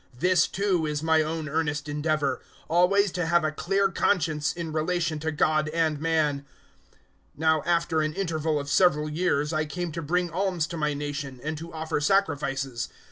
024:016 This too is my own earnest endeavour always to have a clear conscience in relation to God and man. 024:017 "Now after an interval of several years I came to bring alms to my nation, and to offer sacrifices.